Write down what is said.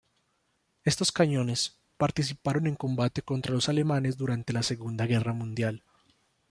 Estos cañones, participaron en combate contra los alemanes durante la Segunda Guerra Mundial.